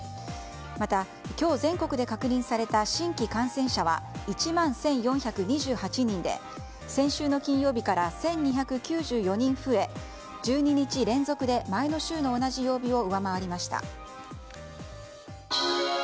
また、今日全国で確認された新規感染者は１万１４２８人で先週の金曜日から１２９４人増え１２日連続で前の週の同じ曜日を上回りました。